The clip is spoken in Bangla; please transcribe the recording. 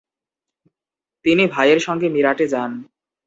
তিনি ভাইয়ের সঙ্গে মীরাটে যান।